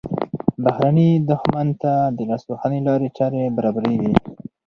بهرني دښمن ته د لاسوهنې لارې چارې برابریږي.